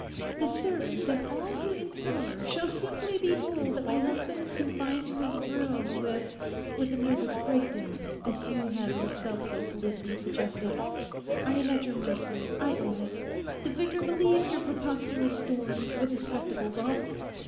The servants and all who inquire shall simply be told that my husband is confined to his room with—with a nervous breakdown, as you have yourself so glibly suggested. I am at your mercy, I own it. The vicar believes your preposterous story—with his spectacles off.